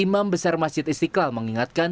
imam besar masjid istiqlal mengingatkan